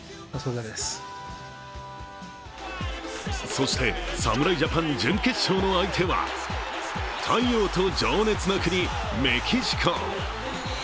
そして、侍ジャパン準決勝の相手は太陽と情熱の国、メキシコ。